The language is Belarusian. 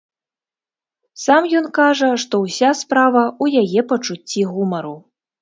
Сам ён кажа, што ўся справа ў яе пачуцці гумару.